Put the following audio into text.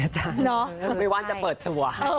ใช่ไม่ว่างจะเปิดตัว